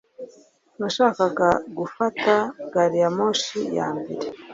Nashakaga gufata gari ya moshi ya mbere.